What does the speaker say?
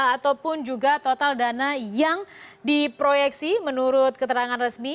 ataupun juga total dana yang diproyeksi menurut keterangan resmi